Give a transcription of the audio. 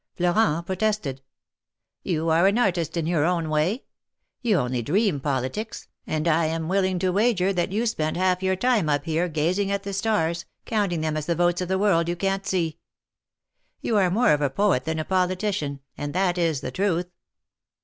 Florent protested. " You are an artist in your own way. You only dream 262 THE MARKETS OF PARIS. politics, and I am willing to wager that you spend half your time up here, gazing at the stars, counting them as the votes of the world you can't see. You are more of a poet than a politician, and that is the truth."